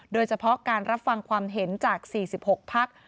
โดยเฉพาะการรับฟังความเห็นจาก๔๖พัก